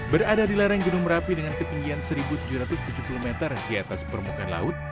berada di lereng gunung merapi dengan ketinggian satu tujuh ratus tujuh puluh meter di atas permukaan laut